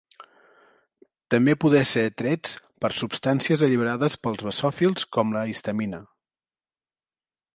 També poder ser atrets per substàncies alliberades pels basòfils com la histamina.